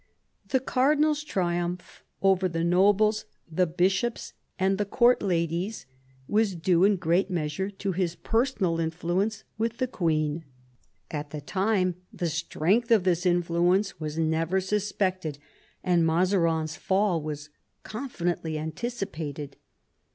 The cardinal's triumph over the nobles, the bishops, I THE EARLY YEARS OF MAZARIN'S MINISTRY 11 and the court ladies was due in great measure to his personal influence with the queen. At the time the strength of this influence was never suspected, and Mazarines fall was confidently anticipated.